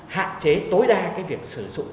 hạn chế tối đa việc sử dụng